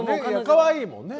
かわいいもんね。